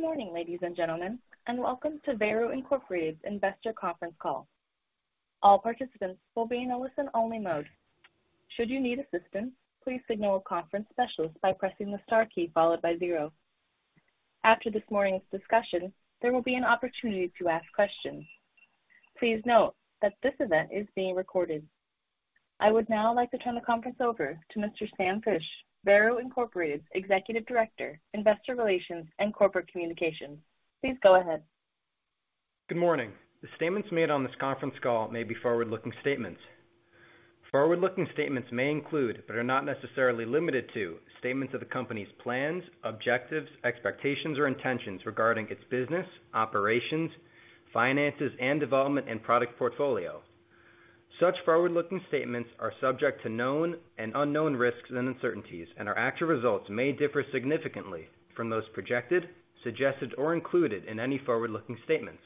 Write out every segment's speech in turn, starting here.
Good morning, ladies and gentlemen, and welcome to Veru Inc. Investor Conference Call. All participants will be in a listen only mode. Should you need assistance, please signal a conference specialist by pressing the star key followed by zero. After this morning's discussion, there will be an opportunity to ask questions. Please note that this event is being recorded. I would now like to turn the conference over to Mr. Sam Fisch, Veru Inc.'s Executive Director, Investor Relations, and Corporate Communications. Please go ahead. Good morning. The statements made on this conference call may be forward-looking statements. Forward-looking statements may include, but are not necessarily limited to, statements of the company's plans, objectives, expectations, or intentions regarding its business, operations, finances, and development and product portfolio. Such forward-looking statements are subject to known and unknown risks and uncertainties, and our actual results may differ significantly from those projected, suggested, or included in any forward-looking statements.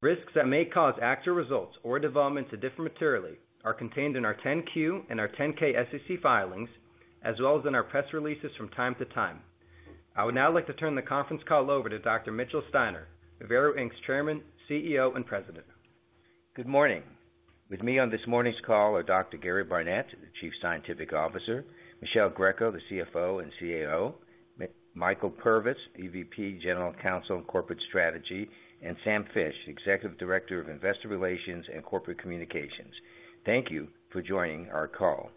Risks that may cause actual results or developments to differ materially are contained in our 10-Q and our 10-K SEC filings, as well as in our press releases from time to time. I would now like to turn the conference call over to Dr. Mitchell Steiner, Veru Inc.'s Chairman, CEO, and President. Good morning. With me on this morning's call are Dr. Gary Barnette, the Chief Scientific Officer, Michele Greco, the CFO and CAO, Michael Purvis, EVP, General Counsel, and Corporate Strategy, and Sam Fisch, Executive Director of Investor Relations and Corporate Communications. Thank you for joining our call.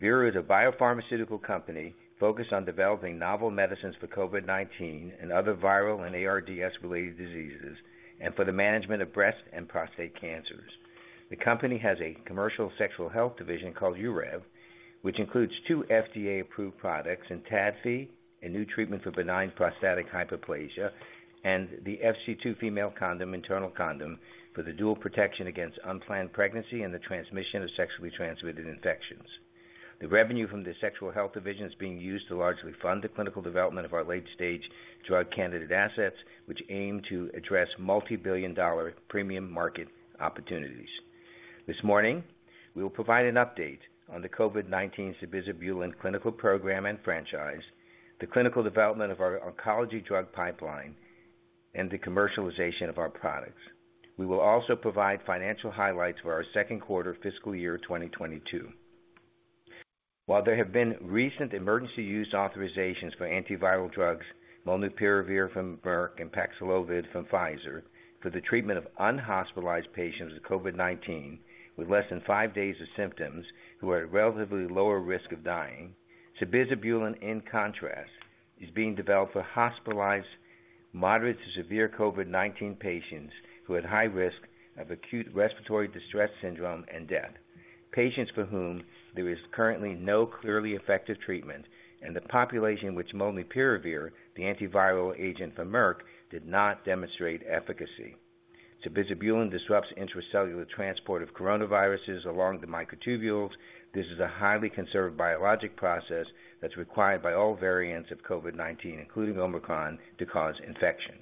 Veru is a biopharmaceutical company focused on developing novel medicines for COVID-19 and other viral and ARDS-related diseases, and for the management of breast and prostate cancers. The company has a commercial sexual health division called Urev, which includes two FDA-approved products in ENTADFI, a new treatment for benign prostatic hyperplasia, and the FC2 female condom, internal condom for the dual protection against unplanned pregnancy and the transmission of sexually transmitted infections. The revenue from the sexual health division is being used to largely fund the clinical development of our late stage drug candidate assets, which aim to address multi-billion dollar premium market opportunities. This morning, we will provide an update on the COVID-19 sabizabulin clinical program and franchise, the clinical development of our oncology drug pipeline, and the commercialization of our products. We will also provide financial highlights for our second quarter fiscal year 2022. While there have been recent emergency use authorizations for antiviral drugs, molnupiravir from Merck and Paxlovid from Pfizer for the treatment of unhospitalized patients with COVID-19 with less than five days of symptoms who are at relatively lower risk of dying. Sabizabulin, in contrast, is being developed for hospitalized moderate to severe COVID-19 patients who had high risk of acute respiratory distress syndrome and death. Patients for whom there is currently no clearly effective treatment, and the population which molnupiravir, the antiviral agent for Merck, did not demonstrate efficacy. Sabizabulin disrupts intracellular transport of coronaviruses along the microtubules. This is a highly conserved biologic process that's required by all variants of COVID-19, including Omicron, to cause infection.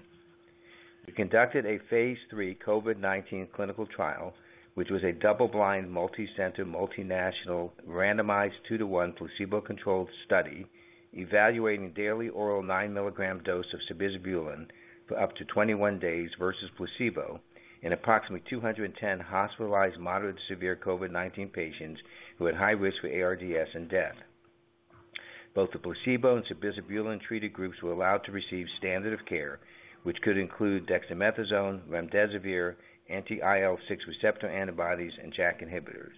We conducted a phase III COVID-19 clinical trial, which was a double-blind, multicenter, multinational, randomized 2-to-1 placebo-controlled study evaluating daily oral 9 milligram dose of sabizabulin for up to 21 days versus placebo in approximately 210 hospitalized moderate-to-severe COVID-19 patients who had high-risk for ARDS and death. Both the placebo and sabizabulin treated groups were allowed to receive standard of care, which could include dexamethasone, remdesivir, anti-IL-6 receptor antibodies, and JAK inhibitors.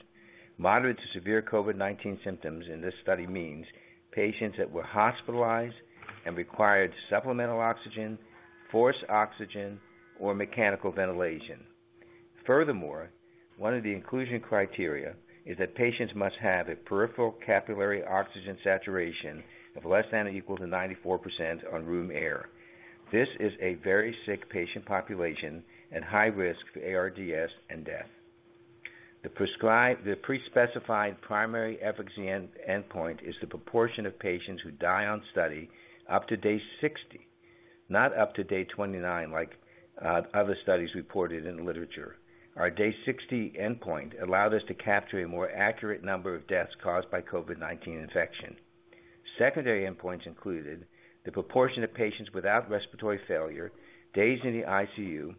Moderate to severe COVID-19 symptoms in this study means patients that were hospitalized and required supplemental oxygen, high-flow oxygen, or mechanical ventilation. Furthermore, one of the inclusion criteria is that patients must have a peripheral capillary oxygen saturation of less than or equal to 94% on room air. This is a very sick patient population at high risk for ARDS and death. The pre-specified primary efficacy endpoint is the proportion of patients who die on study up to day 60, not up to day 29, like other studies reported in the literature. Our day 60 endpoint allowed us to capture a more accurate number of deaths caused by COVID-19 infection. Secondary endpoints included the proportion of patients without respiratory failure, days in the ICU,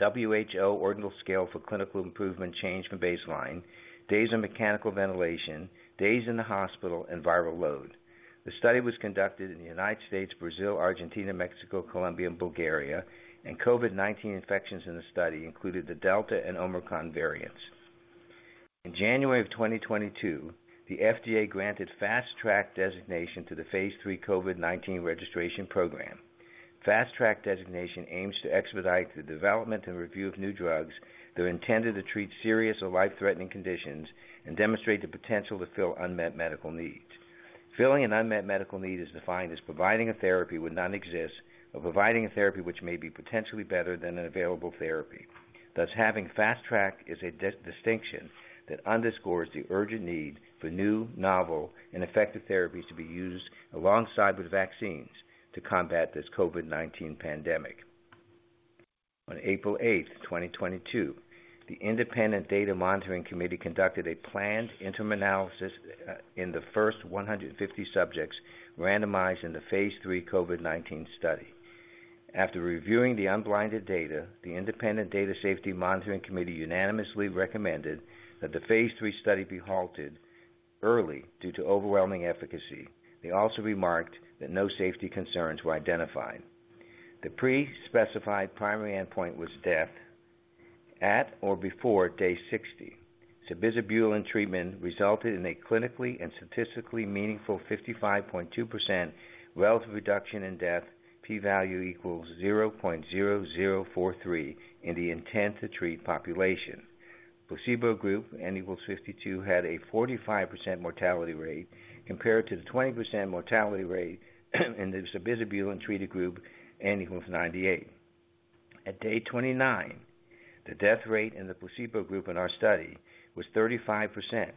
WHO ordinal scale for clinical improvement change from baseline, days on mechanical ventilation, days in the hospital, and viral load. The study was conducted in the United States, Brazil, Argentina, Mexico, Colombia, and Bulgaria, and COVID-19 infections in the study included the Delta and Omicron variants. In January of 2022, the FDA granted Fast Track designation to the phase III COVID-19 registration program. Fast Track designation aims to expedite the development and review of new drugs that are intended to treat serious or life threatening conditions and demonstrate the potential to fill unmet medical needs. Filling an unmet medical need is defined as providing a therapy would not exist or providing a therapy which may be potentially better than an available therapy. Thus, having Fast Track is a distinction that underscores the urgent need for new, novel, and effective therapies to be used alongside with vaccines to combat this COVID-19 pandemic. On April 8, 2022, the independent data monitoring committee conducted a planned interim analysis in the first 150 subjects randomized in the phase III COVID-19 study. After reviewing the unblinded data, the independent data safety monitoring committee unanimously recommended that the phase III study be halted early due to overwhelming efficacy. They also remarked that no safety concerns were identified. The pre-specified primary endpoint was death at or before day 60. Sabizabulin treatment resulted in a clinically and statistically meaningful 55.2% relative reduction in death p-value=0.0043 in the intent to treat population. Placebo group n=52 had a 45% mortality rate compared to the 20% mortality rate in the sabizabulin treated group n=98. At day 29, the death rate in the placebo group in our study was 35%,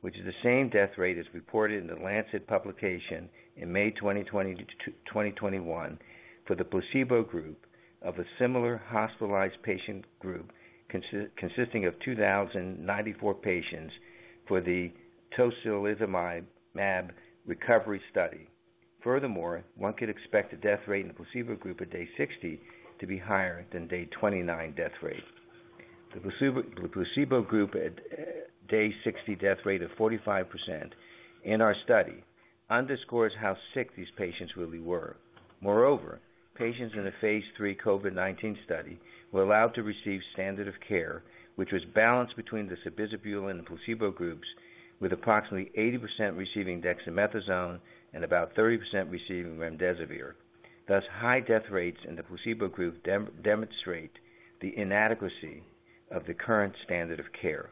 which is the same death rate as reported in The Lancet publication in May 2020 to 2021 for the placebo group of a similar hospitalized patient group consisting of 2,094 patients for the tocilizumab recovery study. Furthermore, one could expect the death rate in the placebo group at day 60 to be higher than day 29 death rate. The placebo group at day 60 death rate of 45% in our study underscores how sick these patients really were. Moreover, patients in the phase III COVID-19 study were allowed to receive standard of care, which was balanced between the sabizabulin and placebo groups, with approximately 80% receiving dexamethasone and about 30% receiving remdesivir. Thus, high death rates in the placebo group demonstrate the inadequacy of the current standard of care.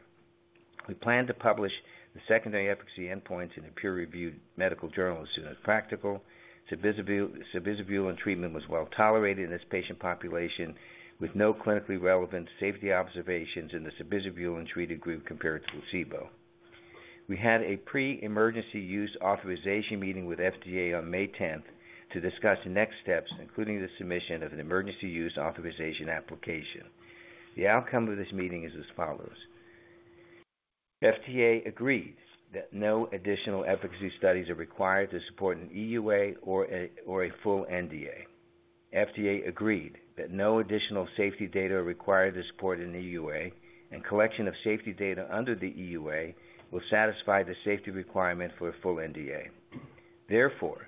We plan to publish the secondary efficacy endpoints in a peer-reviewed medical journal as soon as practical. Sabizabulin treatment was well tolerated in this patient population with no clinically relevant safety observations in the sabizabulin treated group compared to placebo. We had a pre-emergency use authorization meeting with FDA on May 10 to discuss next steps, including the submission of an emergency use authorization application. The outcome of this meeting is as follows. FDA agrees that no additional efficacy studies are required to support an EUA or a full NDA. FDA agreed that no additional safety data are required to support an EUA, and collection of safety data under the EUA will satisfy the safety requirement for a full NDA. Therefore,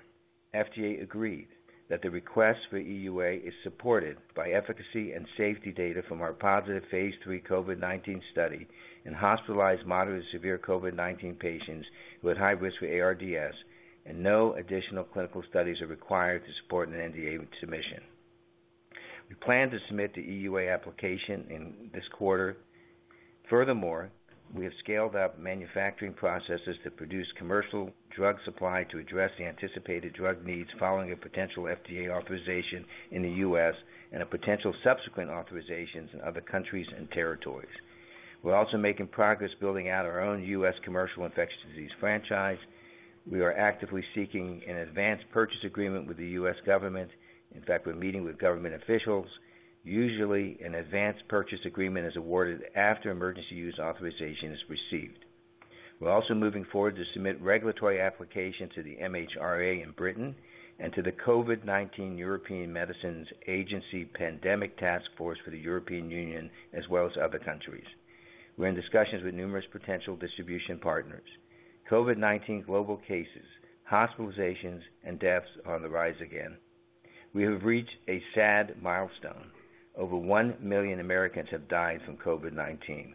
FDA agreed that the request for EUA is supported by efficacy and safety data from our positive phase III COVID-19 study in hospitalized moderate to severe COVID-19 patients with high risk for ARDS and no additional clinical studies are required to support an NDA submission. We plan to submit the EUA application in this quarter. Furthermore, we have scaled up manufacturing processes to produce commercial drug supply to address the anticipated drug needs following a potential FDA authorization in the U.S. and a potential subsequent authorizations in other countries and territories. We're also making progress building out our own U.S. commercial infectious disease franchise. We are actively seeking an advanced purchase agreement with the U.S. government. In fact, we're meeting with government officials. Usually, an advance purchase agreement is awarded after emergency use authorization is received. We're also moving forward to submit regulatory applications to the MHRA in Britain and to the COVID-19 European Medicines Agency Pandemic Task Force for the European Union, as well as other countries. We're in discussions with numerous potential distribution partners. COVID-19 global cases, hospitalizations, and deaths are on the rise again. We have reached a sad milestone. Over 1 million Americans have died from COVID-19.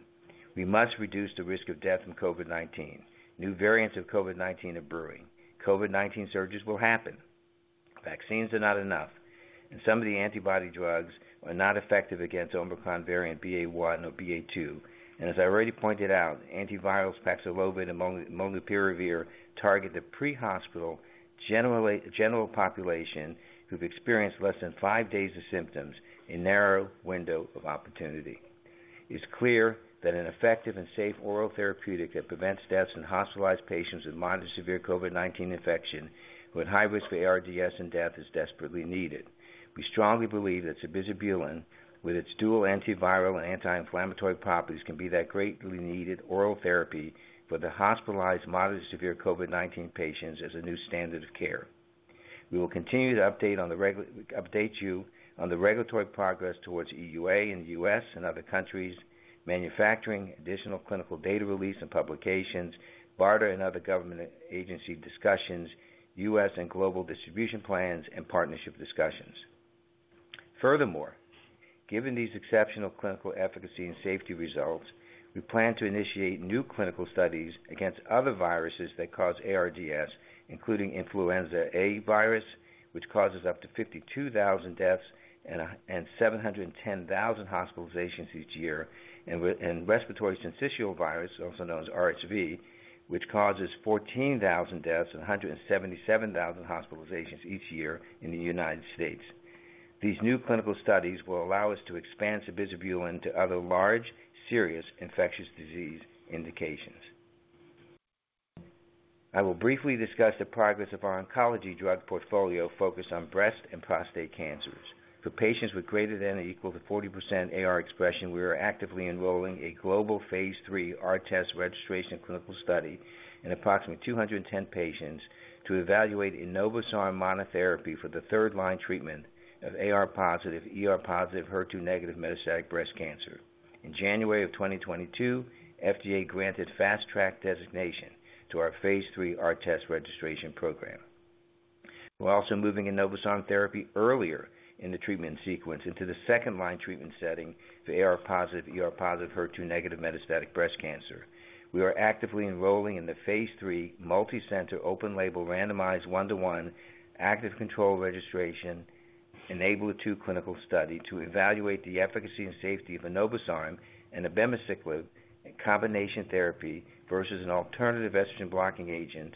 We must reduce the risk of death from COVID-19. New variants of COVID-19 are brewing. COVID-19 surges will happen. Vaccines are not enough. Some of the antibody drugs are not effective against Omicron variant BA.1 or BA.2. As I already pointed out, antivirals Paxlovid and molnupiravir target the pre-hospital general population who've experienced less than five days of symptoms in narrow window of opportunity. It's clear that an effective and safe oral therapeutic that prevents deaths in hospitalized patients with mild to severe COVID-19 infection who had high risk for ARDS and death is desperately needed. We strongly believe that sabizabulin, with its dual antiviral and anti-inflammatory properties, can be that greatly needed oral therapy for the hospitalized mild to severe COVID-19 patients as a new standard of care. We will continue to update you on the regulatory progress towards EUA in the U.S. and other countries, manufacturing additional clinical data release and publications, BARDA and other government agency discussions, U.S. and global distribution plans, and partnership discussions. Furthermore, given these exceptional clinical efficacy and safety results, we plan to initiate new clinical studies against other viruses that cause ARDS, including influenza A virus, which causes up to 52,000 deaths and 710,000 hospitalizations each year, and respiratory syncytial virus, also known as RSV, which causes 14,000 deaths and a hundred and seventy-seven thousand hospitalizations each year in the United States. These new clinical studies will allow us to expand sabizabulin to other large, serious infectious disease indications. I will briefly discuss the progress of our oncology drug portfolio focused on breast and prostate cancers. For patients with greater than or equal to 40% AR expression, we are actively enrolling a global phase III ARTEST registration clinical study in approximately 210 patients to evaluate enobosarm monotherapy for the third-line treatment of AR-positive, ER-positive, HER2-negative metastatic breast cancer. In January of 2022, FDA granted Fast Track designation to our phase III ARTEST registration program. We're also moving enobosarm therapy earlier in the treatment sequence into the second-line treatment setting for AR-positive, ER-positive, HER2-negative metastatic breast cancer. We are actively enrolling in the phase III multicenter, open-label, randomized one-to-one active control registration ENABLAR-2 clinical study to evaluate the efficacy and safety of enobosarm and abemaciclib in combination therapy versus an alternative estrogen-blocking agent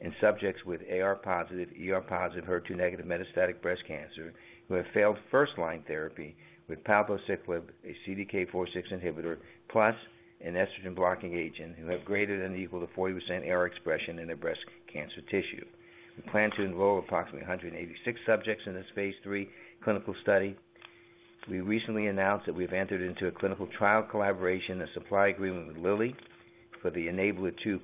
in subjects with AR-positive, ER-positive, HER2-negative metastatic breast cancer who have failed first-line therapy with palbociclib, a CDK4/6 inhibitor, plus an estrogen-blocking agent who have greater than or equal to 40% AR expression in their breast cancer tissue. We plan to enroll approximately 186 subjects in this phase III clinical study. We recently announced that we've entered into a clinical trial collaboration and supply agreement with Lilly for the ENABLAR-2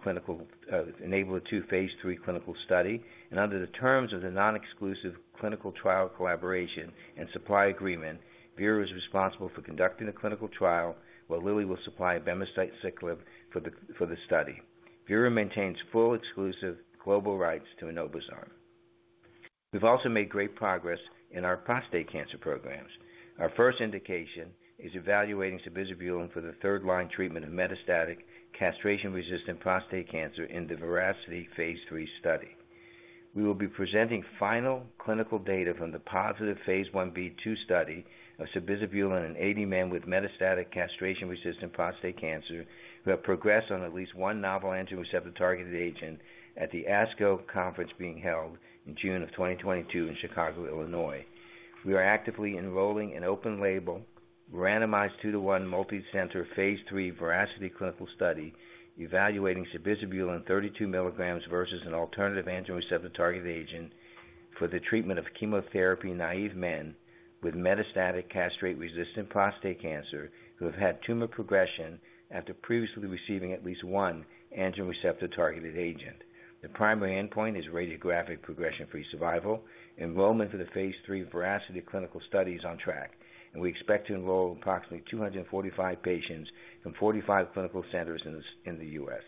phase III clinical study. Under the terms of the non-exclusive clinical trial collaboration and supply agreement, Veru is responsible for conducting the clinical trial while Lilly will supply abemaciclib for the study. Veru maintains full exclusive global rights to enobosarm. We've also made great progress in our prostate cancer programs. Our first indication is evaluating sabizabulin for the third-line treatment of metastatic castration-resistant prostate cancer in the VERACITY phase III study. We will be presenting final clinical data from the positive phase Ib/II study of sabizabulin in 80 men with metastatic castration-resistant prostate cancer who have progressed on at least one novel androgen receptor-targeted agent at the ASCO conference being held in June 2022 in Chicago, Illinois. We are actively enrolling an open label, randomized 2-to-1 multicenter phase III VERACITY clinical study evaluating sabizabulin 32 milligrams versus an alternative androgen receptor-targeted agent for the treatment of chemotherapy-naive men with metastatic castration-resistant prostate cancer who have had tumor progression after previously receiving at least one androgen receptor-targeted agent. The primary endpoint is radiographic progression-free survival. Enrollment for the phase III VERACITY clinical study is on track, and we expect to enroll approximately 245 patients from 45 clinical centers in the U.S.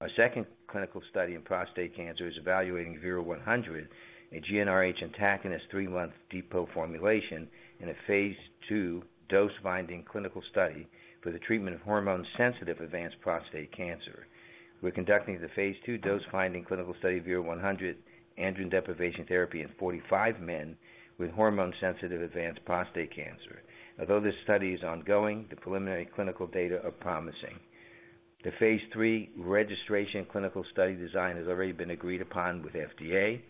Our second clinical study in prostate cancer is evaluating VERU-100, a GnRH antagonist three-month depot formulation in a phase II dose-finding clinical study for the treatment of hormone-sensitive advanced prostate cancer. We're conducting the phase II dose-finding clinical study, VERU-100 androgen deprivation therapy in 45 men with hormone-sensitive advanced prostate cancer. Although this study is ongoing, the preliminary clinical data are promising. The phase IIII registration clinical study design has already been agreed upon with FDA.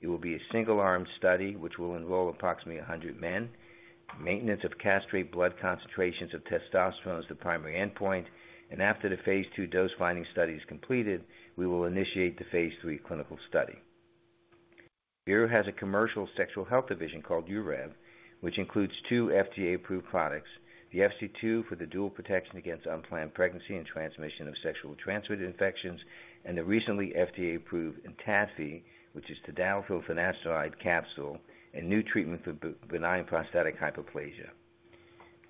It will be a single-arm study which will enroll approximately 100 men. Maintenance of castrate blood concentrations of testosterone is the primary endpoint. After the phase II dose-finding study is completed, we will initiate the phase III clinical study. Veru has a commercial sexual health division called UREV, which includes two FDA-approved products. The FC2 for the dual protection against unplanned pregnancy and transmission of sexually transmitted infections, and the recently FDA-approved ENTADFI, which is tadalafil finasteride capsule, a new treatment for benign prostatic hyperplasia.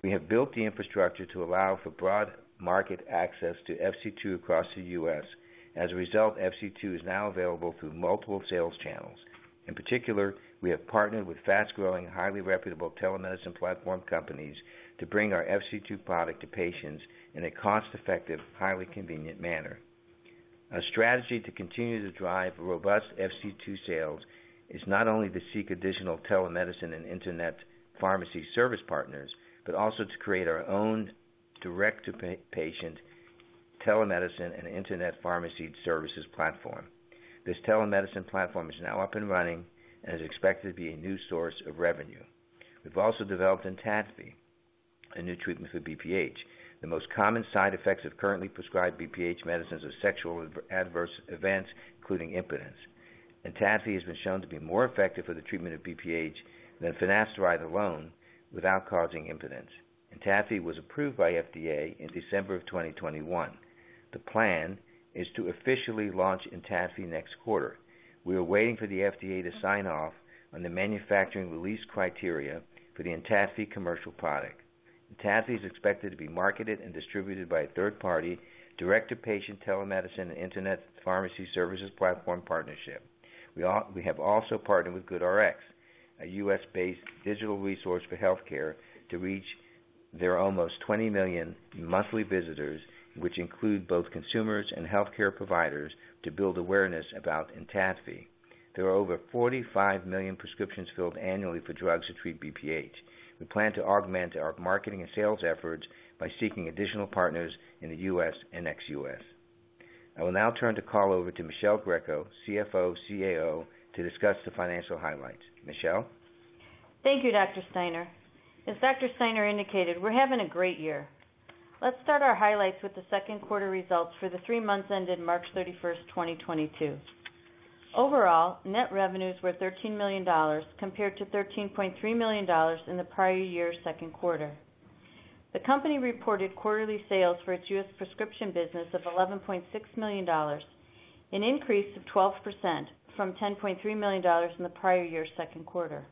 We have built the infrastructure to allow for broad market access to FC2 across the U.S. As a result, FC2 is now available through multiple sales channels. In particular, we have partnered with fast-growing, highly reputable telemedicine platform companies to bring our FC2 product to patients in a cost-effective, highly convenient manner. Our strategy to continue to drive robust FC2 sales is not only to seek additional telemedicine and internet pharmacy service partners, but also to create our own direct-to-patient telemedicine and internet pharmacy services platform. This telemedicine platform is now up and running and is expected to be a new source of revenue. We've also developed ENTADFI, a new treatment for BPH. The most common side effects of currently prescribed BPH medicines are sexual adverse events, including impotence. ENTADFI has been shown to be more effective for the treatment of BPH than finasteride alone without causing impotence. ENTADFI was approved by FDA in December 2021. The plan is to officially launch ENTADFI next quarter. We are waiting for the FDA to sign off on the manufacturing release criteria for the ENTADFI commercial product. ENTADFI is expected to be marketed and distributed by a third party, direct-to-patient telemedicine and internet pharmacy services platform partnership. We have also partnered with GoodRx, a U.S.-based digital resource for healthcare, to reach their almost 20 million monthly visitors, which include both consumers and healthcare providers, to build awareness about ENTADFI. There are over 45 million prescriptions filled annually for drugs to treat BPH. We plan to augment our marketing and sales efforts by seeking additional partners in the U.S. and ex-U.S. I will now turn the call over to Michele Greco, CFO, CAO, to discuss the financial highlights. Michele. Thank you, Dr. Steiner. As Dr. Steiner indicated, we're having a great year. Let's start our highlights with the second quarter results for the three months ended March 31, 2022. Overall, net revenues were $13 million compared to $13.3 million in the prior year's second quarter. The company reported quarterly sales for its U.S. prescription business of $11.6 million, an increase of 12% from $10.3 million in the prior year's second quarter.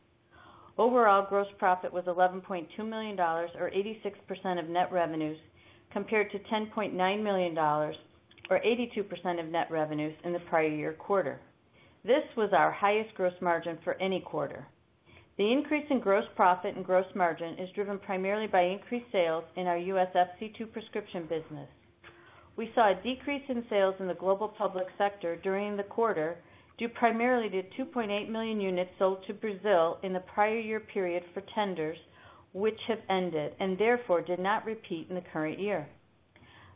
Overall, gross profit was $11.2 million, or 86% of net revenues, compared to $10.9 million or 82% of net revenues in the prior year quarter. This was our highest gross margin for any quarter. The increase in gross profit and gross margin is driven primarily by increased sales in our U.S. FC2 prescription business. We saw a decrease in sales in the global public sector during the quarter, due primarily to 2.8 million units sold to Brazil in the prior year period for tenders which have ended and therefore did not repeat in the current year.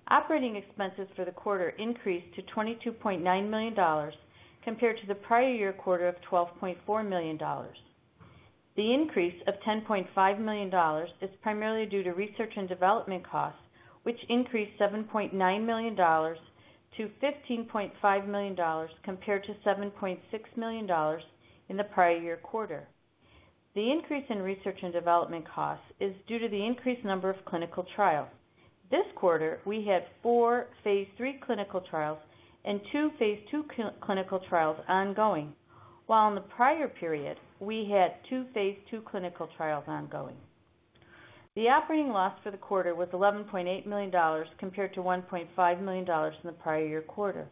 Operating expenses for the quarter increased to $22.9 million compared to the prior year quarter of $12.4 million. The increase of $10.5 million is primarily due to research and development costs, which increased $7.9 million to $15.5 million compared to $7.6 million in the prior year quarter. The increase in research and development costs is due to the increased number of clinical trials. This quarter, we had four phase III clinical trials and two phase II clinical trials ongoing, while in the prior period we had two phase II clinical trials ongoing. The operating loss for the quarter was $11.8 million compared to $1.5 million in the prior year quarter.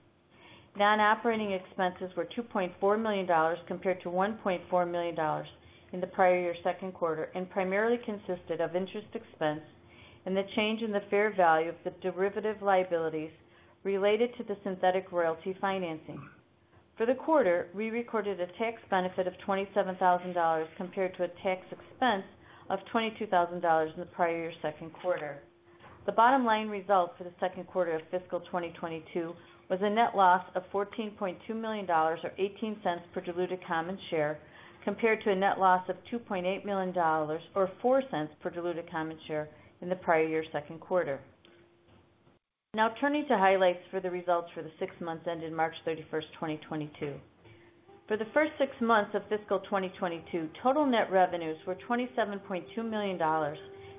Non-operating expenses were $2.4 million compared to $1.4 million in the prior year second quarter, and primarily consisted of interest expense and the change in the fair value of the derivative liabilities related to the synthetic royalty financing. For the quarter, we recorded a tax benefit of $27,000 compared to a tax expense of $22,000 in the prior year second quarter. The bottom line results for the second quarter of fiscal 2022 were a net loss of $14.2 million, or $0.18 per diluted common share, compared to a net loss of $2.8 million or $0.04 per diluted common share in the prior year second quarter. Now turning to highlights for the results for the six months ended March 31, 2022. For the first six months of fiscal 2022, total net revenues were $27.2 million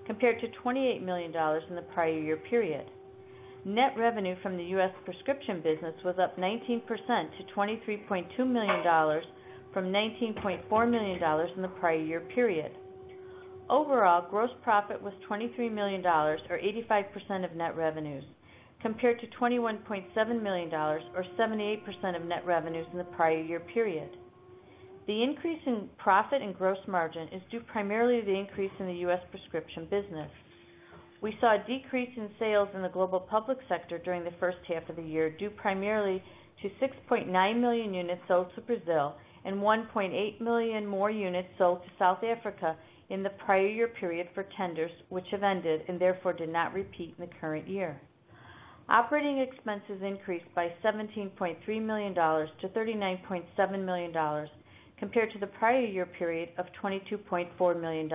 compared to $28 million in the prior year period. Net revenue from the U.S. prescription business was up 19% to $23.2 million from $19.4 million in the prior year period. Overall, gross profit was $23 million or 85% of net revenues compared to $21.7 million or 78% of net revenues in the prior year period. The increase in profit and gross margin is due primarily to the increase in the U.S. prescription business. We saw a decrease in sales in the global public sector during the first half of the year, due primarily to 6.9 million units sold to Brazil and 1.8 million more units sold to South Africa in the prior year period for tenders which have ended and therefore did not repeat in the current year. Operating expenses increased by $17.3 million to $39.7 million compared to the prior year period of $22.4 million.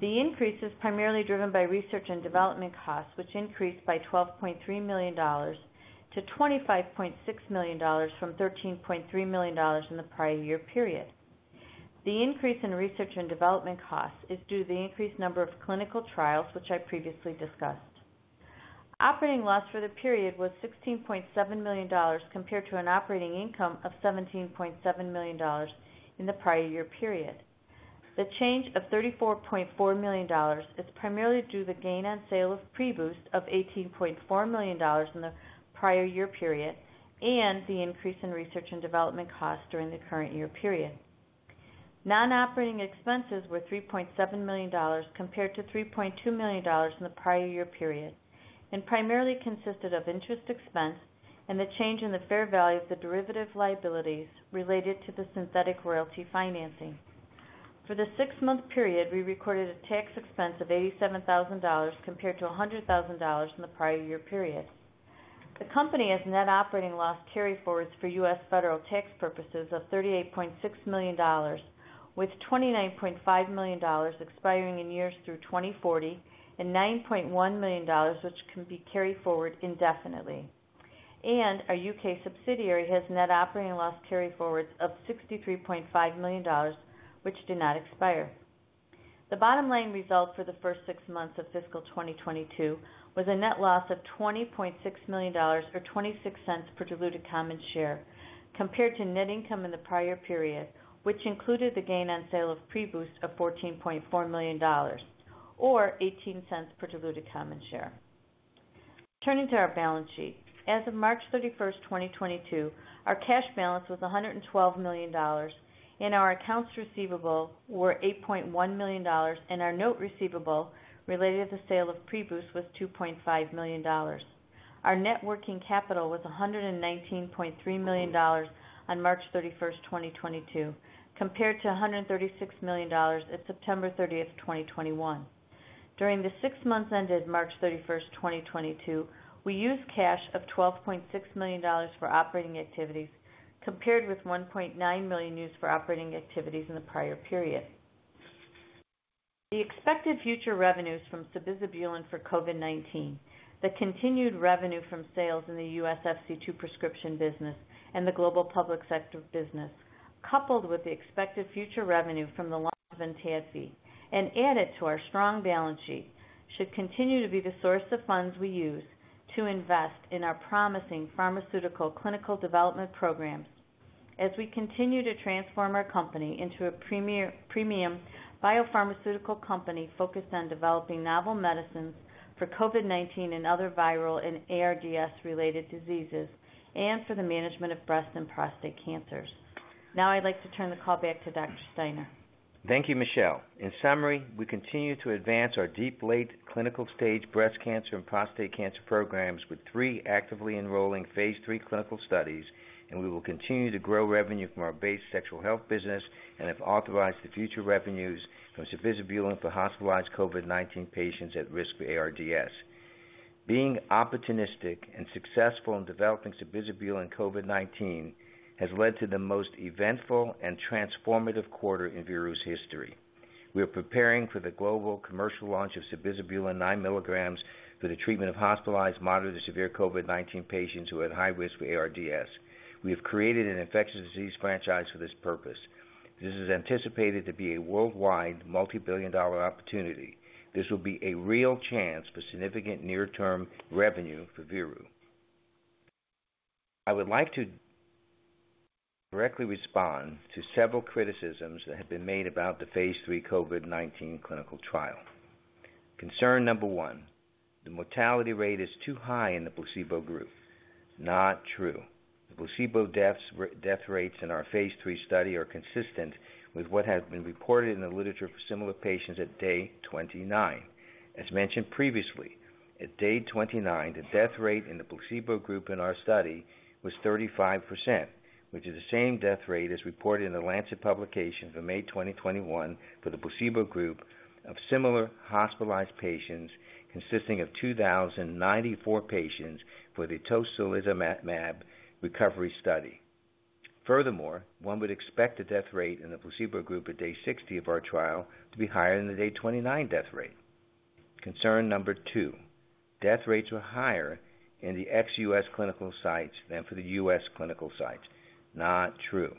The increase is primarily driven by research and development costs, which increased by $12.3 million to $25.6 million from $13.3 million in the prior year period. The increase in research and development costs is due to the increased number of clinical trials, which I previously discussed. Operating loss for the period was $16.7 million compared to an operating income of $17.7 million in the prior year period. The change of $34.4 million is primarily due to the gain on sale of PREBOOST of $18.4 million in the prior year period and the increase in research and development costs during the current year period. Non-operating expenses were $3.7 million compared to $3.2 million in the prior year period, and primarily consisted of interest expense and the change in the fair value of the derivative liabilities related to the synthetic royalty financing. For the six-month period, we recorded a tax expense of $87,000 compared to $100,000 in the prior year period. The company has net operating loss carryforwards for U.S. federal tax purposes of $38.6 million, with $29.5 million expiring in years through 2040 and $9.1 million, which can be carried forward indefinitely. Our U.K. subsidiary has net operating loss carryforwards of $63.5 million, which do not expire. The bottom line results for the first six months of fiscal 2022 was a net loss of $20.6 million, or $0.26 per diluted common share compared to net income in the prior period, which included the gain on sale of PREBOOST of $14.4 million or $0.18 per diluted common share. Turning to our balance sheet. As of March 31, 2022, our cash balance was $112 million and our accounts receivable were $8.1 million, and our note receivable related to the sale of PREBOOST was $2.5 million. Our net working capital was $119.3 million on March 31, 2022 compared to $136 million at September 30, 2021. During the six months ended March 31, 2022, we used cash of $12.6 million for operating activities compared with $1.9 million used for operating activities in the prior period. The expected future revenues from sabizabulin for COVID-19, the continued revenue from sales in the U.S. FC2 prescription business and the global public sector business, coupled with the expected future revenue from the launch of ENTADFI and added to our strong balance sheet, should continue to be the source of funds we use to invest in our promising pharmaceutical clinical development programs as we continue to transform our company into a premium biopharmaceutical company focused on developing novel medicines for COVID-19 and other viral and ARDS-related diseases, and for the management of breast and prostate cancers. Now I'd like to turn the call back to Dr. Steiner. Thank you, Michelle. In summary, we continue to advance our deep late clinical stage breast cancer and prostate cancer programs with three actively enrolling phase III clinical studies. We will continue to grow revenue from our base sexual health business and anticipate future revenues from sabizabulin for hospitalized COVID-19 patients at risk for ARDS. Being opportunistic and successful in developing sabizabulin COVID-19 has led to the most eventful and transformative quarter in Veru's history. We are preparing for the global commercial launch of sabizabulin 9 milligrams for the treatment of hospitalized moderate to severe COVID-19 patients who are at high risk for ARDS. We have created an infectious disease franchise for this purpose. This is anticipated to be a worldwide multi-billion-dollar opportunity. This will be a real chance for significant near-term revenue for Veru. I would like to directly respond to several criticisms that have been made about the phase III COVID-19 clinical trial. Concern number one, the mortality rate is too high in the placebo group. Not true. The placebo death rates in our phase III study are consistent with what has been reported in the literature for similar patients at day 29. As mentioned previously, at day 29, the death rate in the placebo group in our study was 35%, which is the same death rate as reported in The Lancet publication for May 2021 for the placebo group of similar hospitalized patients, consisting of 2,094 patients for the tocilizumab recovery study. Furthermore, one would expect the death rate in the placebo group at day 60 of our trial to be higher than the day 29 death rate. Concern number two, death rates were higher in the ex-U.S. clinical sites than for the U.S. clinical sites. Not true.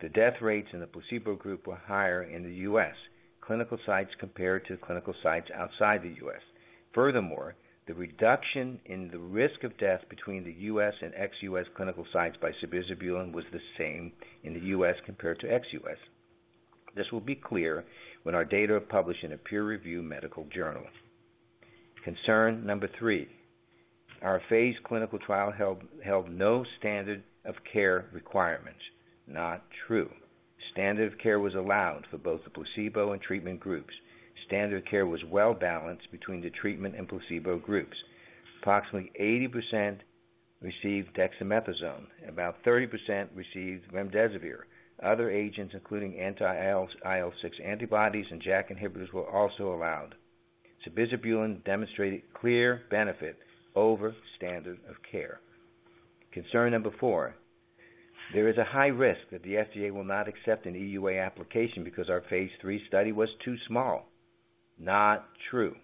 The death rates in the placebo group were higher in the U.S. clinical sites compared to clinical sites outside the U.S. Furthermore, the reduction in the risk of death between the U.S. and ex-U.S. clinical sites by sabizabulin was the same in the U.S. Compared to ex-U.S. This will be clear when our data are published in a peer-reviewed medical journal. Concern number three, our phase clinical trial held no standard of care requirements. Not true. Standard of care was allowed for both the placebo and treatment groups. Standard care was well balanced between the treatment and placebo groups. Approximately 80% received dexamethasone, about 30% received remdesivir. Other agents, including anti-IL-6 antibodies and JAK inhibitors, were also allowed. Sabizabulin demonstrated clear benefit over standard of care. Concern number 4, there is a high risk that the FDA will not accept an EUA application because our phase III study was too small. Not true.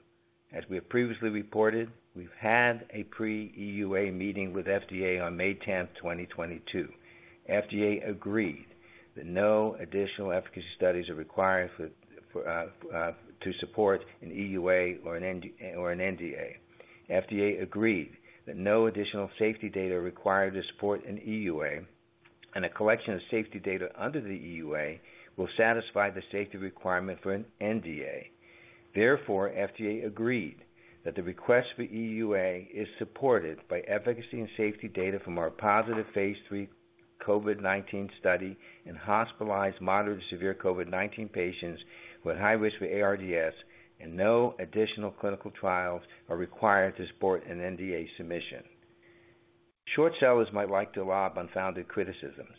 As we have previously reported, we've had a pre-EUA meeting with FDA on May 10th, 2022. FDA agreed that no additional efficacy studies are required to support an EUA or an NDA. FDA agreed that no additional safety data are required to support an EUA, and a collection of safety data under the EUA will satisfy the safety requirement for an NDA. Therefore, FDA agreed that the request for EUA is supported by efficacy and safety data from our positive phase III COVID-19 study in hospitalized moderate to severe COVID-19 patients with high risk for ARDS, and no additional clinical trials are required to support an NDA submission. Short sellers might like to lob unfounded criticisms,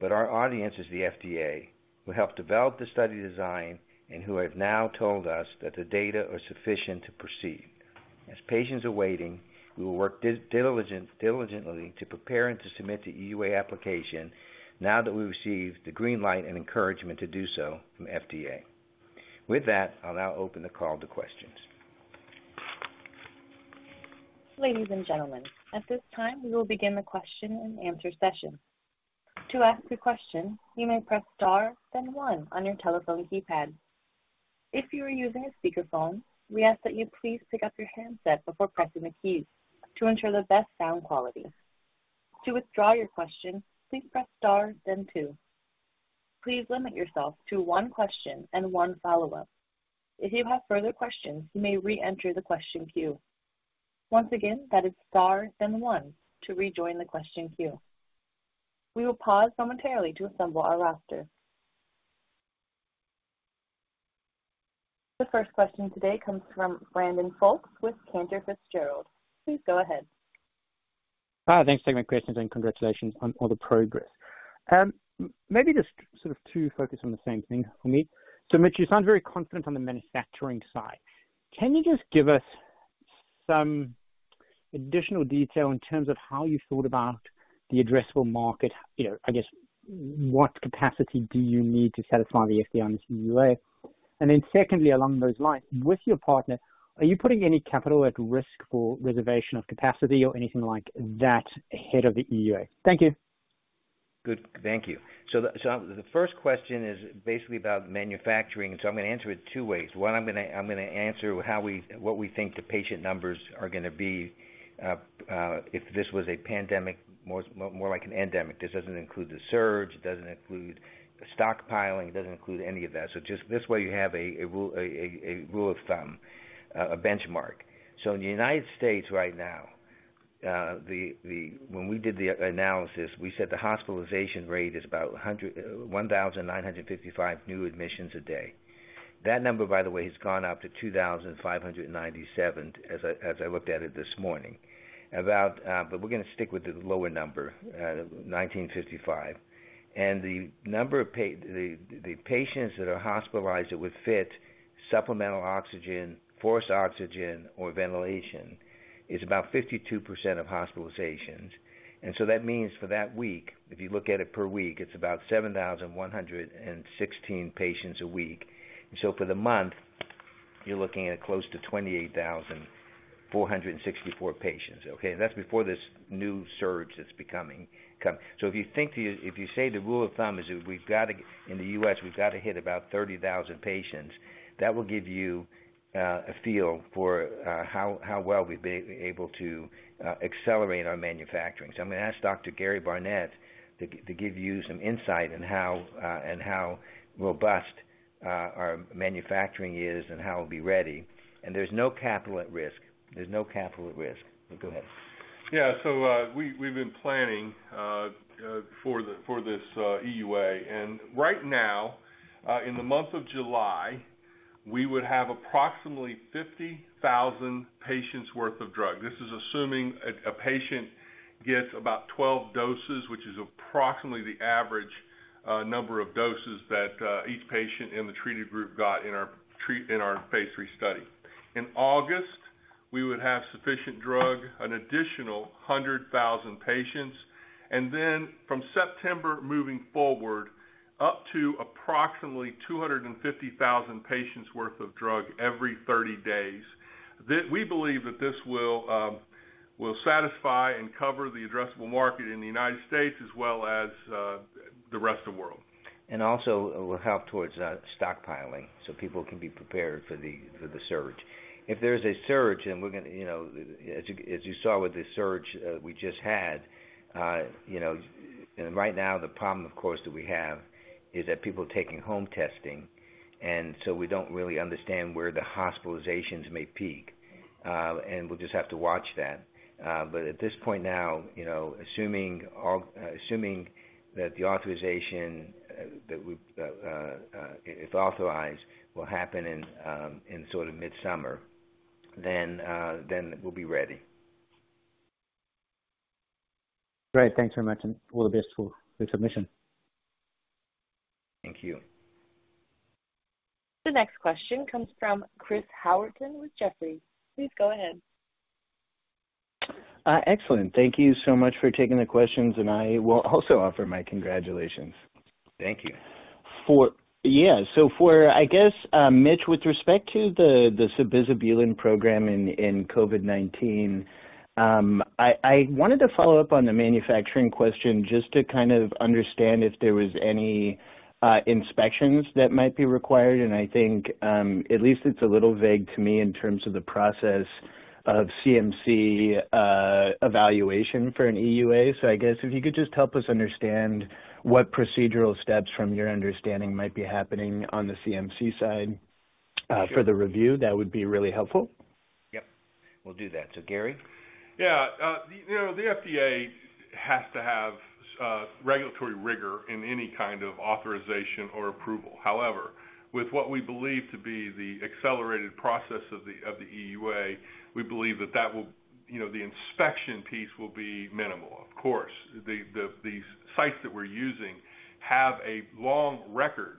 but our audience is the FDA, who helped develop the study design and who have now told us that the data are sufficient to proceed. As patients are waiting, we will work diligently to prepare and to submit the EUA application now that we've received the green light and encouragement to do so from FDA. With that, I'll now open the call to questions. Ladies and gentlemen, at this time, we will begin the question and answer session. To ask a question, you may press star, then one on your telephone keypad. If you are using a speakerphone, we ask that you please pick up your handset before pressing the keys to ensure the best sound quality. To withdraw your question, please press star then two. Please limit yourself to one question and one follow-up. If you have further questions, you may re-enter the question queue. Once again, that is star then one to rejoin the question queue. We will pause momentarily to assemble our roster. The first question today comes from Brandon Folkes with Cantor Fitzgerald. Please go ahead. Thanks for taking my questions, and congratulations on all the progress. Maybe just sort of to focus on the same thing for me. Mitch, you sound very confident on the manufacturing side. Can you just give us some additional detail in terms of how you thought about the addressable market? You know, I guess what capacity do you need to satisfy the FDA on this EUA? And then secondly, along those lines, with your partner, are you putting any capital at risk for reservation of capacity or anything like that ahead of the EUA? Thank you. Good. Thank you. The first question is basically about manufacturing, and I'm gonna answer it two ways. One, I'm gonna answer what we think the patient numbers are gonna be if this was a pandemic, more like an endemic. This doesn't include the surge, it doesn't include the stockpiling, it doesn't include any of that. Just this way you have a rule of thumb, a benchmark. In the United States right now, when we did the analysis, we said the hospitalization rate is about 1,955 new admissions a day. That number, by the way, has gone up to 2,597 as I looked at it this morning. We're gonna stick with the lower number, 1,955. The number of patients that are hospitalized that would fit supplemental oxygen, high-flow oxygen or ventilation is about 52% of hospitalizations. That means for that week, if you look at it per week, it's about 7,116 patients a week. For the month, you're looking at close to 28,464 patients, okay? That's before this new surge that's coming. If you say the rule of thumb is we've got to hit about 30,000 patients. That will give you a feel for how well we've been able to accelerate our manufacturing. I'm gonna ask Dr. Gary Barnette to give you some insight on how, and how robust, our manufacturing is and how it'll be ready. There's no capital at risk. Go ahead. Yeah. We've been planning for this EUA. Right now, in the month of July, we would have approximately 50,000 patients worth of drug. This is assuming a patient gets about 12 doses, which is approximately the average number of doses that each patient in the treated group got in our phase III study. In August, we would have sufficient drug, an additional 100,000 patients, and then from September moving forward, up to approximately 250,000 patients worth of drug every 30 days. We believe that this will satisfy and cover the addressable market in the United States as well as the rest of the world. Also it will help towards stockpiling, so people can be prepared for the surge. If there's a surge and we're gonna, you know, as you saw with the surge we just had, you know. Right now, the problem of course that we have is that people taking home testing, and so we don't really understand where the hospitalizations may peak. We'll just have to watch that. At this point now, assuming that the authorization, if authorized, will happen in sort of mid-summer, then we'll be ready. Great. Thanks very much, and all the best for the submission. Thank you. The next question comes from Chris Howerton with Jefferies. Please go ahead. Excellent. Thank you so much for taking the questions, and I will also offer my congratulations. Thank you. I guess, Mitchell, with respect to the sabizabulin program in COVID-19, I wanted to follow up on the manufacturing question just to kind of understand if there was any inspections that might be required. I think at least it's a little vague to me in terms of the process of CMC evaluation for an EUA. I guess if you could just help us understand what procedural steps from your understanding might be happening on the CMC side for the review, that would be really helpful. Yep. We'll do that. Gary? Yeah. You know, the FDA has to have regulatory rigor in any kind of authorization or approval. However, with what we believe to be the accelerated process of the EUA, we believe that will. You know, the inspection piece will be minimal. Of course, the sites that we're using have a long record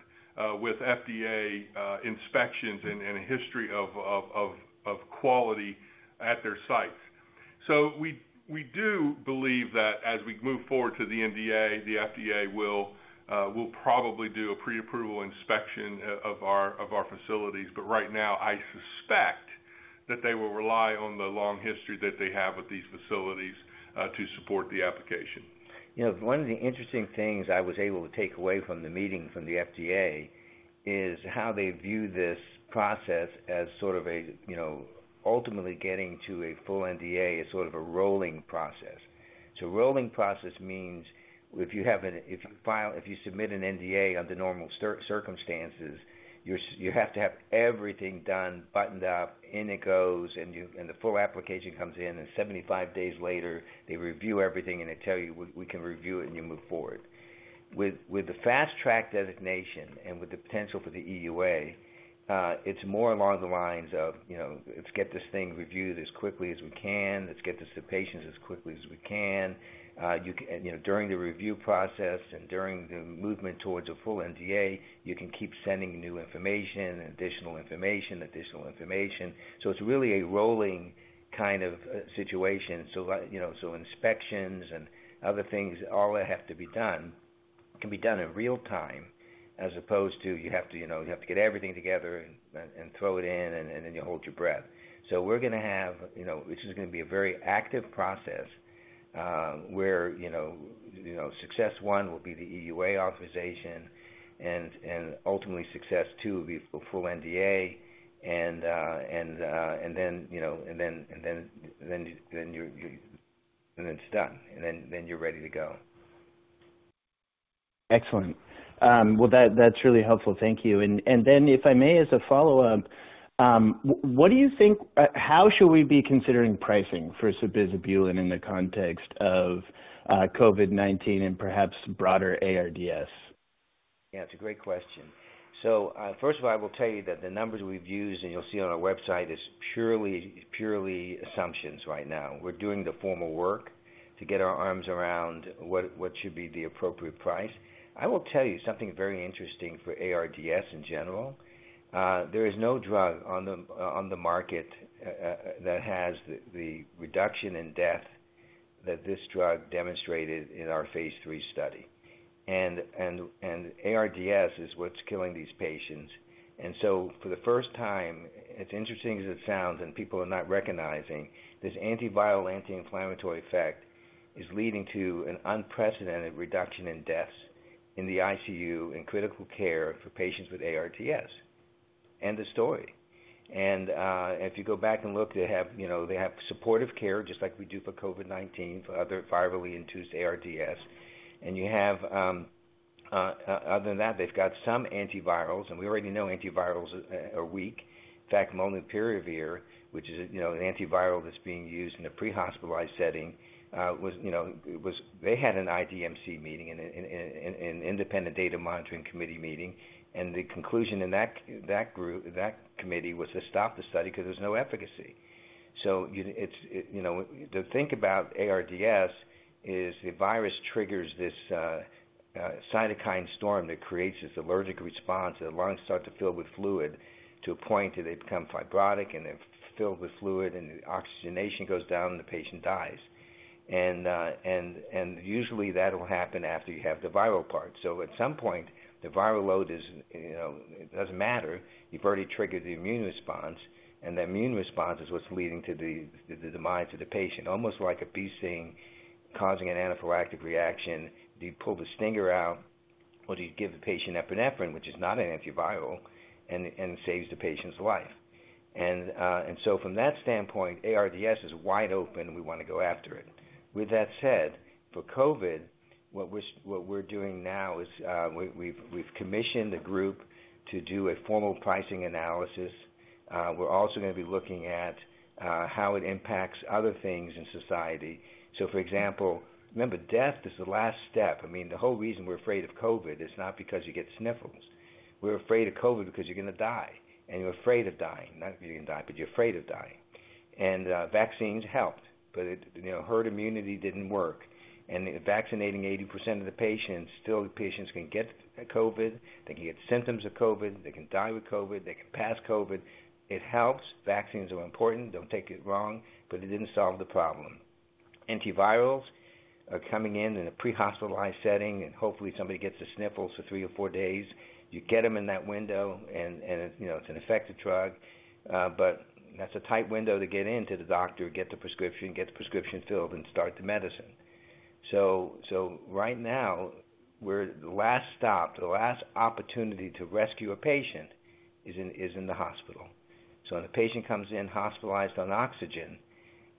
with FDA inspections and a history of quality at their sites. We do believe that as we move forward to the NDA, the FDA will probably do a pre-approval inspection of our facilities. Right now, I suspect that they will rely on the long history that they have with these facilities to support the application. You know, one of the interesting things I was able to take away from the meeting from the FDA is how they view this process as sort of a, you know, ultimately getting to a full NDA as sort of a rolling process. Rolling process means if you file, if you submit an NDA under normal circumstances, you have to have everything done, buttoned up, in it goes, and the full application comes in, and 75 days later they review everything and they tell you, "We can review it," and you move forward. With the Fast Track designation and with the potential for the EUA, it's more along the lines of, you know, let's get this thing reviewed as quickly as we can. Let's get this to patients as quickly as we can. You can... You know, during the review process and during the movement towards a full NDA, you can keep sending new information and additional information. It's really a rolling kind of situation. Like, you know, inspections and other things all that have to be done can be done in real time, as opposed to you have to get everything together and throw it in and then you hold your breath. We're gonna have, you know, this is gonna be a very active process, where, you know, success one will be the EUA authorization and ultimately success two will be full NDA and then, you know, then it's done, then you're ready to go. Excellent. Well, that's really helpful. Thank you. If I may, as a follow-up, how should we be considering pricing for sabizabulin in the context of COVID-19 and perhaps broader ARDS? Yeah, it's a great question. First of all, I will tell you that the numbers we've used, and you'll see on our website, is purely assumptions right now. We're doing the formal work to get our arms around what should be the appropriate price. I will tell you something very interesting for ARDS in general. There is no drug on the market that has the reduction in death that this drug demonstrated in our phase III study. ARDS is what's killing these patients. For the first time, as interesting as it sounds, and people are not recognizing, this antiviral, anti-inflammatory effect is leading to an unprecedented reduction in deaths in the ICU, in critical care for patients with ARDS. End of story. If you go back and look, they have, you know, they have supportive care, just like we do for COVID-19, for other virally induced ARDS. You have, other than that, they've got some antivirals, and we already know antivirals are weak. In fact, molnupiravir, which is, you know, an antiviral that's being used in a pre-hospitalized setting, was, you know. They had an IDMC meeting, an Independent Data Monitoring Committee meeting, and the conclusion in that group, that committee, was to stop the study 'cause there's no efficacy. You know. It's it, you know. The thing about ARDS is the virus triggers this cytokine storm that creates this allergic response, and the lungs start to fill with fluid to a point that they become fibrotic, and they're filled with fluid, and the oxygenation goes down, and the patient dies. Usually that'll happen after you have the viral part. At some point, the viral load is, you know, it doesn't matter. You've already triggered the immune response, and the immune response is what's leading to the demise of the patient, almost like a bee sting causing an anaphylactic reaction. Do you pull the stinger out or do you give the patient epinephrine, which is not an antiviral, and it saves the patient's life. From that standpoint, ARDS is wide open and we wanna go after it. With that said, for COVID, what we're doing now is, we've commissioned a group to do a formal pricing analysis. We're also gonna be looking at how it impacts other things in society. For example, remember, death is the last step. I mean, the whole reason we're afraid of COVID is not because you get sniffles. We're afraid of COVID because you're gonna die, and you're afraid of dying. Not that you're gonna die, but you're afraid of dying. Vaccines helped, but it, you know, herd immunity didn't work. Vaccinating 80% of the patients, still the patients can get COVID, they can get symptoms of COVID, they can die with COVID, they can pass COVID. It helps. Vaccines are important, don't take it wrong, but it didn't solve the problem. Antivirals are coming in a pre-hospitalized setting, and hopefully somebody gets the sniffles for three or four days. You get them in that window and it's, you know, it's an effective drug. But that's a tight window to get into the doctor, get the prescription, get the prescription filled, and start the medicine. Right now the last stop, the last opportunity to rescue a patient is in the hospital. When a patient comes in hospitalized on oxygen,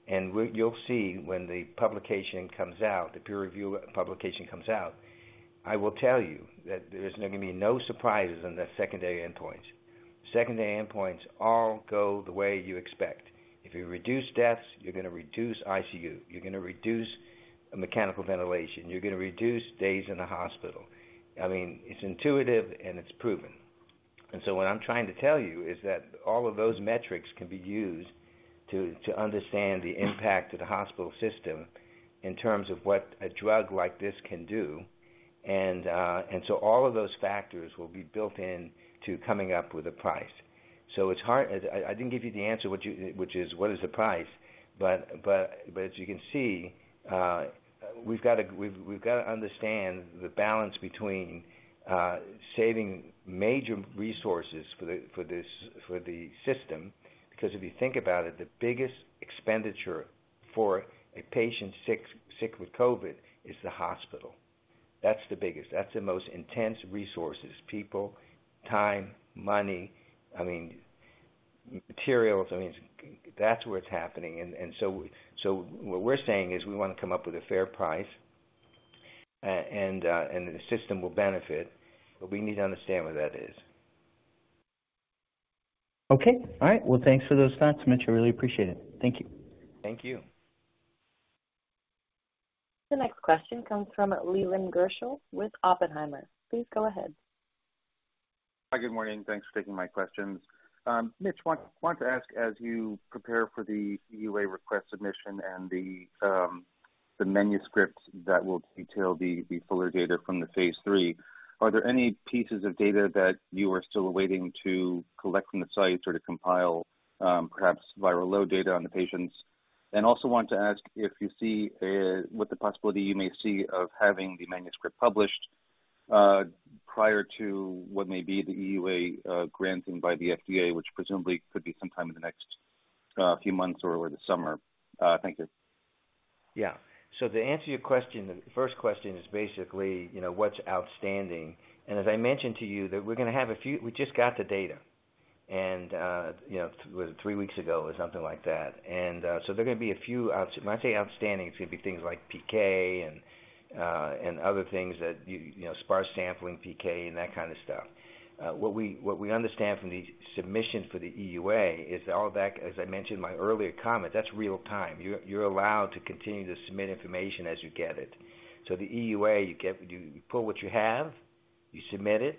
you'll see when the publication comes out, the peer-reviewed publication comes out, I will tell you that there's gonna be no surprises on the secondary endpoints. Secondary endpoints all go the way you expect. If you reduce deaths, you're gonna reduce ICU, you're gonna reduce mechanical ventilation, you're gonna reduce days in the hospital. I mean, it's intuitive and it's proven. What I'm trying to tell you is that all of those metrics can be used to understand the impact of the hospital system in terms of what a drug like this can do. All of those factors will be built in to coming up with a price. It's hard. I didn't give you the answer, which is what is the price? As you can see, we've gotta understand the balance between saving major resources for the system, because if you think about it, the biggest expenditure for a patient sick with COVID is the hospital. That's the biggest, the most intense resources, people, time, money. I mean, materials. I mean, that's where it's happening. What we're saying is we wanna come up with a fair price, and the system will benefit, but we need to understand what that is. Okay. All right. Well, thanks for those thoughts, Mitch. I really appreciate it. Thank you. Thank you. The next question comes from Leland Gershell with Oppenheimer. Please go ahead. Hi, good morning. Thanks for taking my questions. Mitch, want to ask, as you prepare for the EUA request submission and the manuscripts that will detail the fuller data from the phase III, are there any pieces of data that you are still waiting to collect from the sites or to compile, perhaps viral load data on the patients? Also want to ask if you see what the possibility you may see of having the manuscript published prior to what may be the EUA granting by the FDA, which presumably could be sometime in the next few months or the summer. Thank you. Yeah. To answer your question, the first question is basically, you know, what's outstanding? As I mentioned to you that we're gonna have a few. We just got the data and, you know, three weeks ago or something like that. There are gonna be a few. When I say outstanding, it's gonna be things like PK and other things that you know, sparse sampling PK and that kind of stuff. What we understand from the submission for the EUA is all that, as I mentioned in my earlier comment, that's real time. You're allowed to continue to submit information as you get it. The EUA, you pull what you have, you submit it,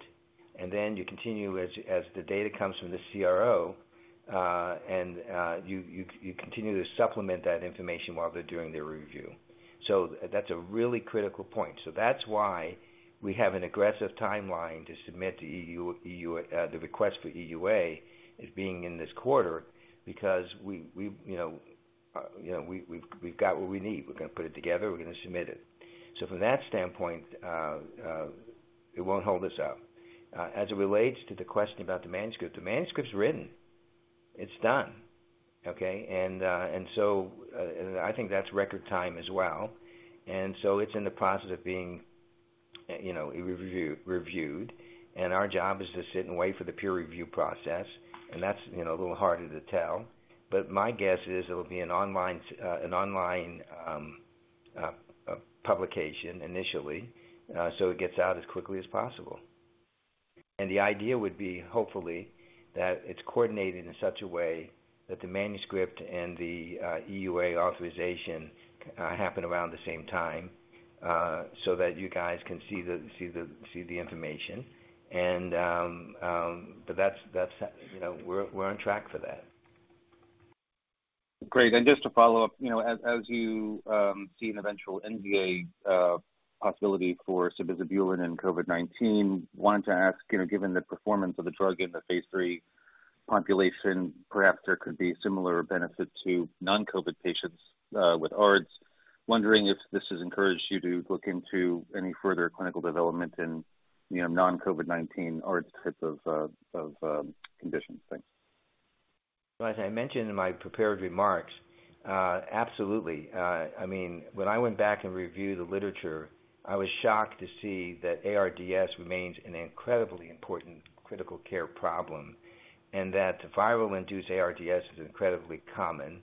and then you continue as the data comes from the CRO, and you continue to supplement that information while they're doing their review. That's a really critical point. That's why we have an aggressive timeline to submit the request for EUA in this quarter, because you know, we've got what we need. We're gonna put it together, we're gonna submit it. From that standpoint, it won't hold us up. As it relates to the question about the manuscript, the manuscript's written, it's done, okay? I think that's record time as well. It's in the process of being reviewed, and our job is to sit and wait for the peer review process. That's a little harder to tell. My guess is it will be an online publication initially, so it gets out as quickly as possible. The idea would be, hopefully, that it's coordinated in such a way that the manuscript and the EUA authorization happen around the same time, so that you guys can see the information. That's, you know, we're on track for that. Great. Just to follow up, you know, as you see an eventual NDA possibility for sabizabulin and COVID-19, wanted to ask, you know, given the performance of the drug in the phase III population, perhaps there could be similar benefit to non-COVID patients with ARDS. Wondering if this has encouraged you to look into any further clinical development in, you know, non-COVID-19 ARDS types of conditions. Thanks. As I mentioned in my prepared remarks, absolutely. I mean, when I went back and reviewed the literature, I was shocked to see that ARDS remains an incredibly important critical care problem and that viral induced ARDS is incredibly common.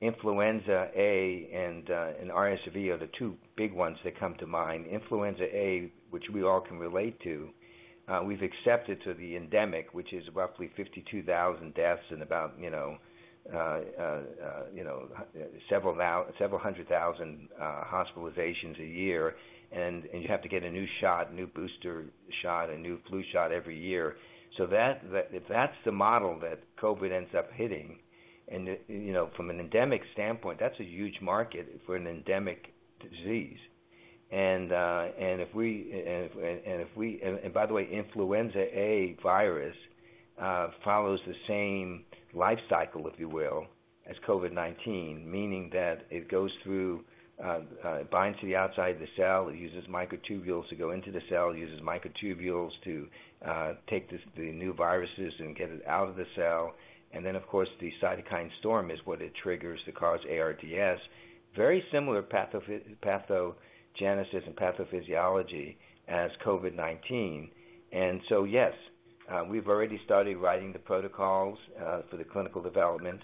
Influenza A and RSV are the two big ones that come to mind. Influenza A, which we all can relate to, we've accepted to the endemic, which is roughly 52,000 deaths and about, you know, several hundred thousand hospitalizations a year. You have to get a new shot, new booster shot, a new flu shot every year. That if that's the model that COVID ends up hitting and, you know, from an endemic standpoint, that's a huge market for an endemic disease. If we... By the way, Influenza A virus follows the same life cycle, if you will, as COVID-19. Meaning that it goes through binds to the outside of the cell. It uses microtubules to go into the cell, uses microtubules to take this, the new viruses and get it out of the cell. Then, of course, the cytokine storm is what it triggers to cause ARDS. Very similar pathogenesis and pathophysiology as COVID-19. Yes, we've already started writing the protocols for the clinical development.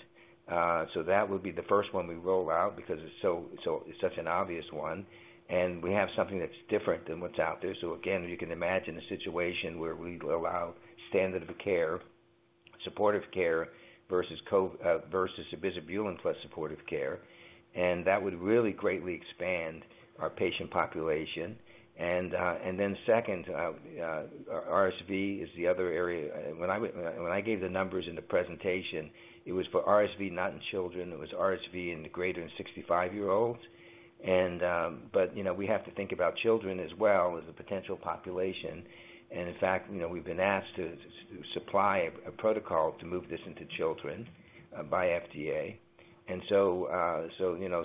That would be the first one we roll out because it's so, it's such an obvious one, and we have something that's different than what's out there. Again, you can imagine a situation where we allow standard of care, supportive care versus sabizabulin plus supportive care, and that would really greatly expand our patient population. Then second, RSV is the other area. When I gave the numbers in the presentation, it was for RSV not in children. It was RSV in the greater than 65-year-olds. But, you know, we have to think about children as well as a potential population. In fact, you know, we've been asked to supply a protocol to move this into children by FDA. So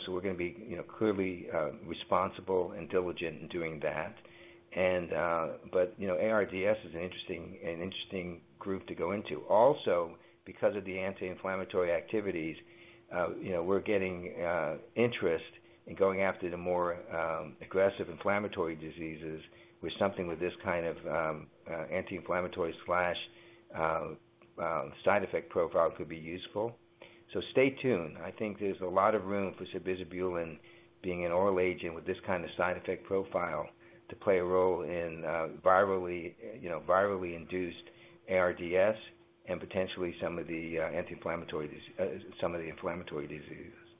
we're gonna be, you know, clearly responsible and diligent in doing that. ARDS is an interesting group to go into. Also, because of the anti-inflammatory activities, you know, we're getting interest in going after the more aggressive inflammatory diseases with something with this kind of anti-inflammatory slash side effect profile could be useful. Stay tuned. I think there's a lot of room for sabizabulin being an oral agent with this kind of side effect profile to play a role in virally, you know, virally induced ARDS and potentially some of the inflammatory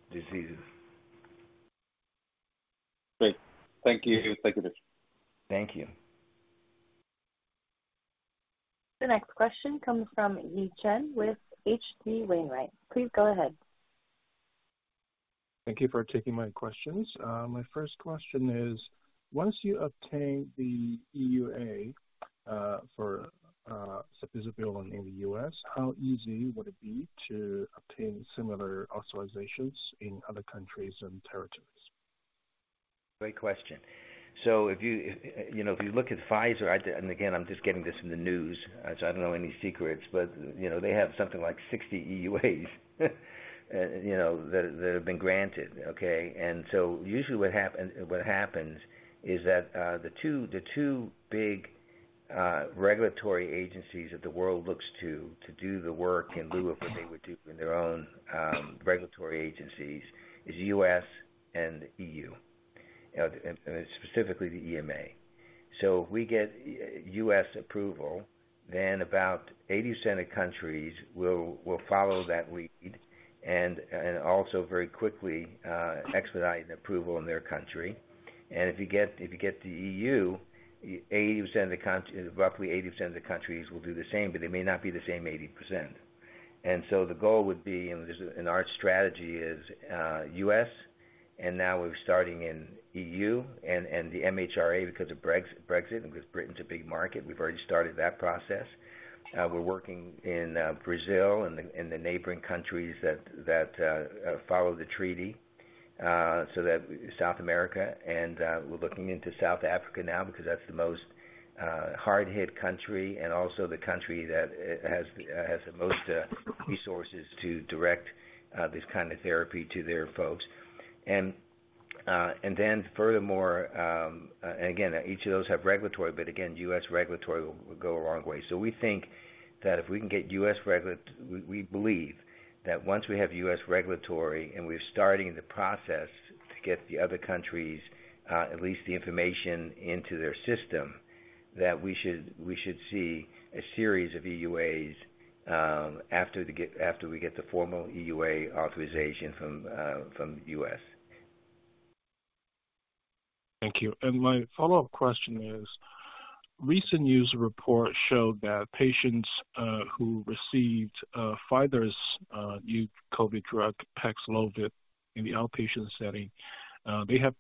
diseases. Great. Thank you. Thank you. Thank you. The next question comes from Yi Chen with H.C. Wainwright. Please go ahead. Thank you for taking my questions. My first question is, once you obtain the EUA for sabizabulin in the U.S., how easy would it be to obtain similar authorizations in other countries and territories? Great question. If you know, if you look at Pfizer, and again, I'm just getting this in the news, so I don't know any secrets, but you know, they have something like 60 EUAs you know, that have been granted. Okay. Usually what happens is that the two big regulatory agencies that the world looks to to do the work in lieu of what they would do in their own regulatory agencies is U.S. and EU, and specifically the EMA. If we get U.S. approval, then about 80% of countries will follow that lead and also very quickly expedite an approval in their country. If you get the EU, 80% of the count... Roughly 80% of the countries will do the same, but they may not be the same 80%. The goal would be, and our strategy is U.S., and now we're starting in EU and the MHRA because of Brexit and because Britain's a big market. We've already started that process. We're working in Brazil and the neighboring countries that follow the treaty, so South America and we're looking into South Africa now because that's the most hard-hit country and also the country that has the most resources to direct this kind of therapy to their folks. Furthermore, again, each of those have regulatory, but again, U.S. regulatory will go a long way. We think that if we can get U.S. regulatory and we believe that once we have U.S. regulatory and we're starting the process to get the other countries', at least the information into their system, that we should see a series of EUAs after we get the formal EUA authorization from the U.S. Thank you. My follow-up question is, recent news report showed that patients who received Pfizer's new COVID drug Paxlovid in the outpatient setting, they have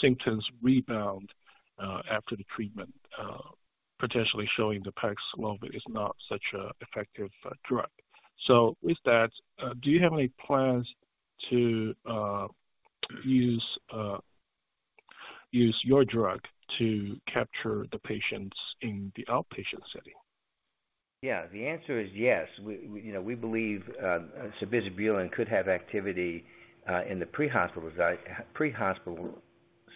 symptoms rebound after the treatment, potentially showing the Paxlovid is not such a effective drug. With that, do you have any plans to use your drug to capture the patients in the outpatient setting? Yeah, the answer is yes. We, you know, we believe sabizabulin could have activity in the prehospital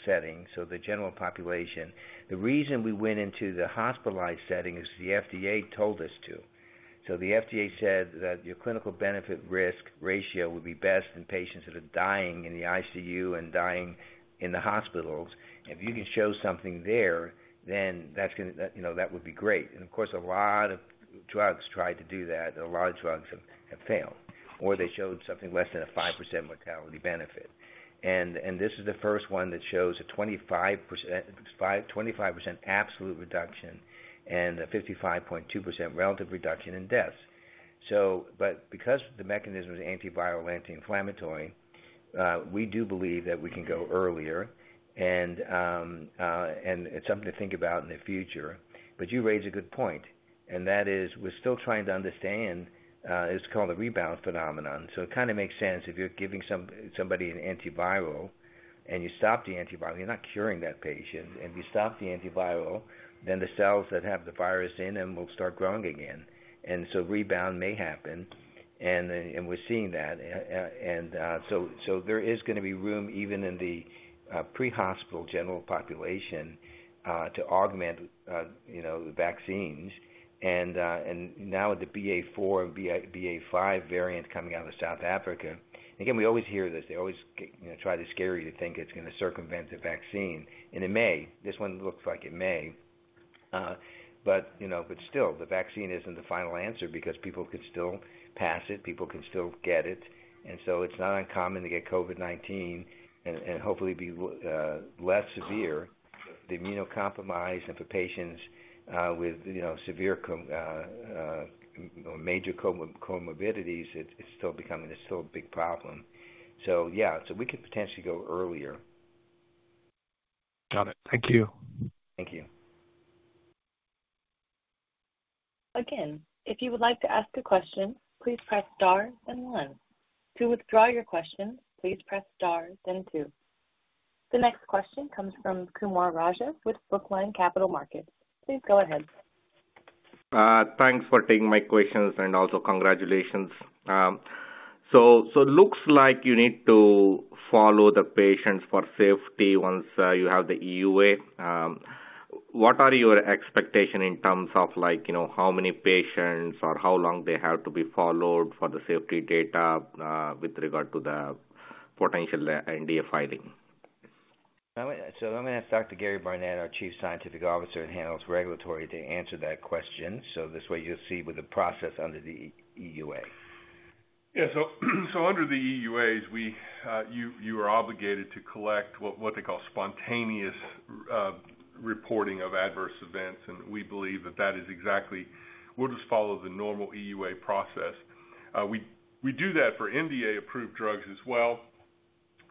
setting, so the general population. The reason we went into the hospitalized setting is the FDA told us to. The FDA said that your clinical benefit risk ratio would be best in patients that are dying in the ICU and dying in the hospitals. If you can show something there, then that would be great. Of course, a lot of drugs tried to do that. A lot of drugs have failed, or they showed something less than a 5% mortality benefit. This is the first one that shows a 25% absolute reduction and a 55.2% relative reduction in deaths. Because the mechanism is antiviral, anti-inflammatory, we do believe that we can go earlier and it's something to think about in the future. You raise a good point, and that is we're still trying to understand, it's called a rebound phenomenon. It kinda makes sense if you're giving somebody an antiviral and you stop the antiviral, you're not curing that patient. If you stop the antiviral, then the cells that have the virus in them will start growing again. Rebound may happen. We're seeing that. There is gonna be room even in the prehospital general population to augment you know the vaccines. Now with the BA.4 and BA.5 variant coming out of South Africa, again, we always hear this. They always, you know, try to scare you to think it's gonna circumvent the vaccine. It may. This one looks like it may. But, you know, but still, the vaccine isn't the final answer because people can still pass it, people can still get it. It's not uncommon to get COVID-19 and hopefully be less severe. The immunocompromised and for patients with, you know, severe major comorbidities, it's still becoming a big problem. We could potentially go earlier. Got it. Thank you. Thank you. Again, if you would like to ask a question, please press star then one. To withdraw your question, please press star then two. The next question comes from Kumaraguru Raja with Brookline Capital Markets. Please go ahead. Thanks for taking my questions, and also congratulations. Looks like you need to follow the patients for safety once you have the EUA. What are your expectation in terms of like, you know, how many patients or how long they have to be followed for the safety data, with regard to the potential NDA filing? I'm gonna ask Dr. Gary Barnette, our Chief Scientific Officer, who handles regulatory, to answer that question. This way you'll see with the process under the EUA. Under the EUAs, you are obligated to collect what they call spontaneous reporting of adverse events. We believe that. We'll just follow the normal EUA process. We do that for NDA-approved drugs as well,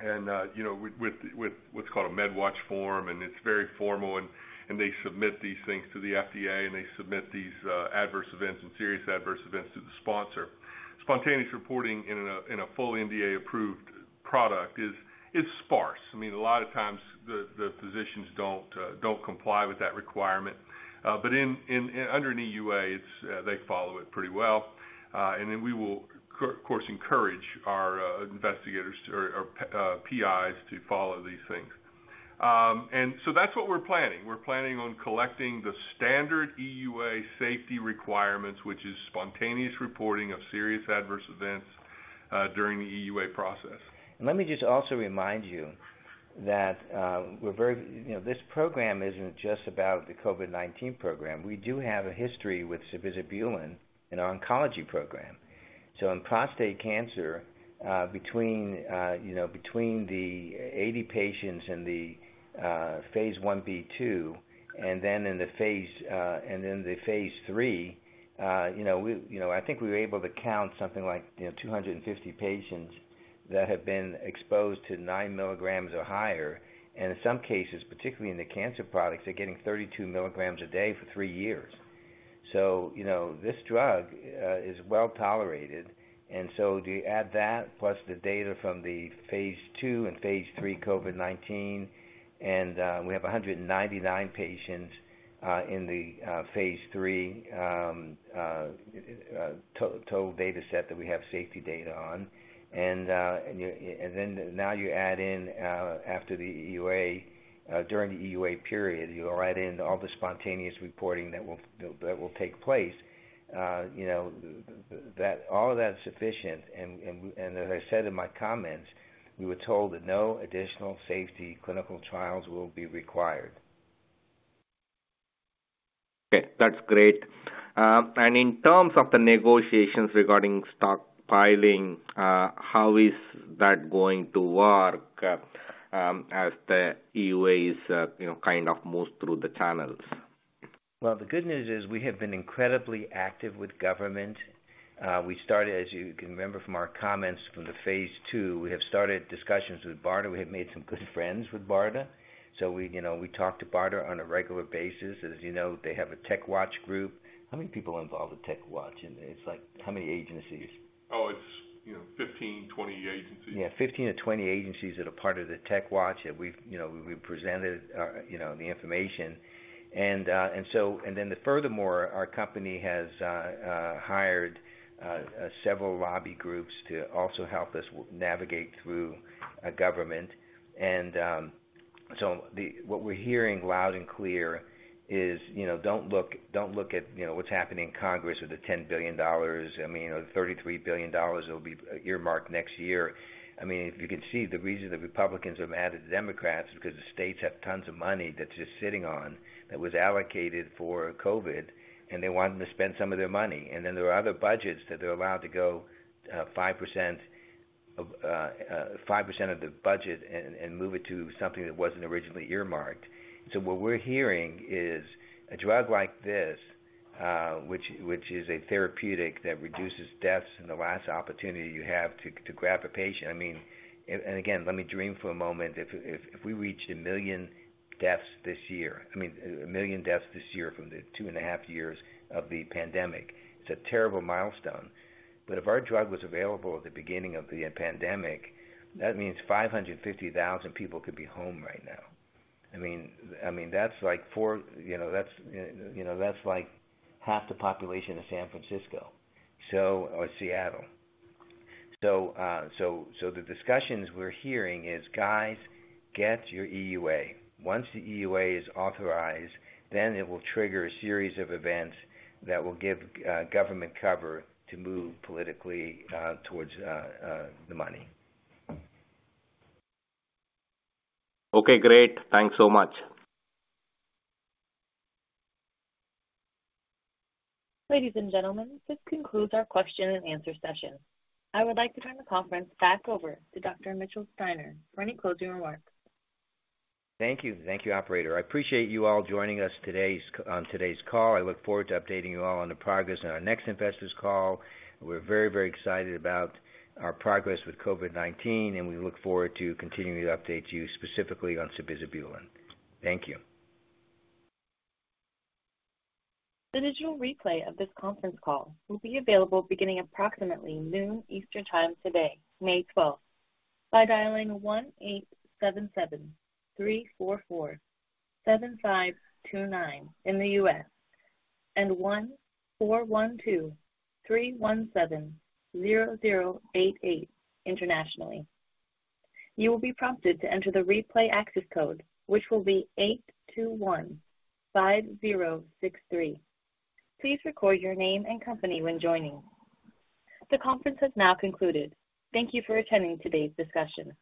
you know, with what's called a MedWatch form, and it's very formal and they submit these things to the FDA, and they submit these adverse events and serious adverse events to the sponsor. Spontaneous reporting in a full NDA-approved product is sparse. I mean, a lot of times the physicians don't comply with that requirement. Under an EUA, they follow it pretty well. We will of course encourage our investigators or PIs to follow these things. That's what we're planning. We're planning on collecting the standard EUA safety requirements, which is spontaneous reporting of serious adverse events during the EUA process. Let me just also remind you that, we're very, you know, this program isn't just about the COVID-19 program. We do have a history with sabizabulin in our oncology program. In prostate cancer, between the 80 patients in the phase Ib/II and then in the phase II and in the phase III, you know, I think we were able to count something like 250 patients that have been exposed to 9 mg or higher. In some cases, particularly in the cancer patients, they're getting 32 mg a day for 3 years. You know, this drug is well-tolerated. You add that plus the data from the phase II and phase III COVID-19, and we have 199 patients in the phase III total data set that we have safety data on. Then now you add in after the EUA, during the EUA period, you'll add in all the spontaneous reporting that will take place. You know, that all of that's sufficient. As I said in my comments, we were told that no additional safety clinical trials will be required. Okay, that's great. In terms of the negotiations regarding stockpiling, how is that going to work, as the EUAs, you know, kind of moves through the channels? Well, the good news is we have been incredibly active with government. As you can remember from our comments from the phase II, we have started discussions with BARDA. We have made some good friends with BARDA. You know, we talk to BARDA on a regular basis. As you know, they have a TechWatch group. How many people are involved with TechWatch? It's like, how many agencies? Oh, it's, you know, 15, 20 agencies. Yeah. 15-20 agencies that are part of the TechWatch, and we've, you know, presented, you know, the information. Then furthermore, our company has hired several lobby groups to also help us navigate through government. What we're hearing loud and clear is, you know, don't look at, you know, what's happening in Congress with the $10 billion. I mean, the $33 billion that will be earmarked next year. I mean, if you can see the reason the Republicans have added the Democrats, because the states have tons of money that's just sitting on, that was allocated for COVID, and they want them to spend some of their money. Then there are other budgets that they're allowed to go 5% of the budget and move it to something that wasn't originally earmarked. What we're hearing is a drug like this, which is a therapeutic that reduces deaths and the last opportunity you have to grab a patient. I mean. Again, let me dream for a moment. If we reach 1 million deaths this year, I mean, 1 million deaths this year from the 2.5 years of the pandemic, it's a terrible milestone. If our drug was available at the beginning of the pandemic, that means 550,000 people could be home right now. I mean, that's like four, you know, that's like half the population of San Francisco, so, or Seattle. The discussions we're hearing is, guys, get your EUA. Once the EUA is authorized, then it will trigger a series of events that will give government cover to move politically towards the money. Okay, great. Thanks so much. Ladies and gentlemen, this concludes our question and answer session. I would like to turn the conference back over to Dr. Mitchell Steiner for any closing remarks. Thank you. Thank you, operator. I appreciate you all joining us today, on today's call. I look forward to updating you all on the progress on our next investors' call. We're very, very excited about our progress with COVID-19, and we look forward to continuing to update you specifically on sabizabulin. Thank you. The digital replay of this conference call will be available beginning approximately noon Eastern Time today, May 12, by dialing 1-877-344-7529 in the U.S. and 1-412-317-0088 internationally. You will be prompted to enter the replay access code, which will be 821-5063. Please record your name and company when joining. The conference has now concluded. Thank you for attending today's discussion.